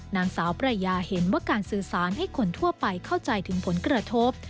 นางสาวประยาเห็นว่าการสื่อสารให้คนทั่วไปเข้าใจถึงผลกระทบ